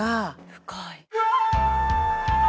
深い。